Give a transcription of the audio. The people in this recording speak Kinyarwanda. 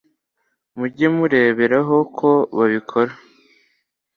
mujye mureberaho uko babikora